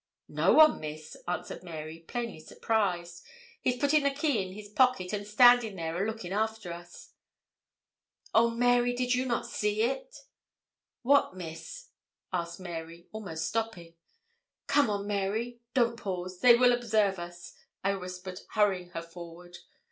'No one, Miss,' answered Mary, plainly surprised. 'He's putting the key in his pocket, and standin' there a lookin' after us.' 'Oh, Mary, did not you see it?' 'What, Miss?' asked Mary, almost stopping. 'Come on, Mary. Don't pause. They will observe us,' I whispered, hurrying her forward.